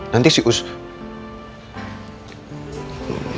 nanti saya akan menjaga kamu